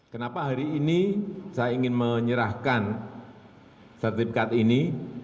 kenapa hari ini saya ingin menyerahkan sertifikat ini